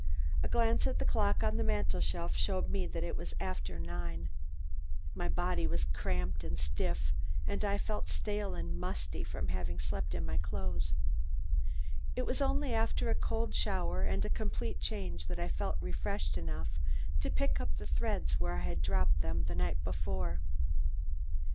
A glance at the clock on the mantel shelf showed that it was after nine. My body was cramped and stiff and I felt stale and musty from having slept in my clothes. It was only after a cold shower and a complete change that I felt refreshed enough to pick up the threads where I had dropped them the night before.